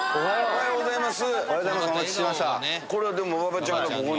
おはようございます。